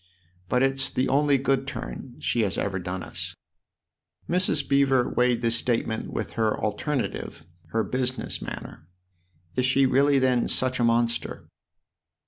But it's the only good turn she has ever done us." Mrs. Beever weighed this statement with her alternative, her business manner. " Is she really then such a monster